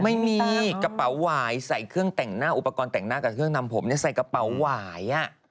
ไม่มีกระเป๋าหวายใส่เครื่องแต่งหน้าอุปกรณ์แต่งหน้ากับเครื่องนำผมใส่กระเป๋าหวาย